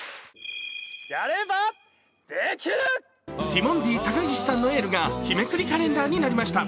ティモンディ高岸さんのエールが日めくりカレンダーになりました。